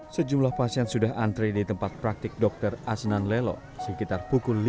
sejumlah pasien sudah antre di tempat praktek dokter asnanelo sekitar pukul lima sore